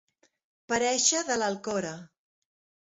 Parèixer de l'Alcora.